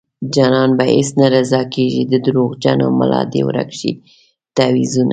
جانان په هيڅ نه رضا کيږي د دروغجن ملا دې ورک شي تعويذونه